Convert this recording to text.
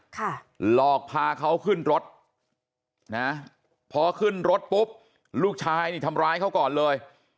หลอกพาเขาขึ้นรถนะพอขึ้นรถปุ๊บลูกชายนี่ทำร้ายเขาก่อนเลย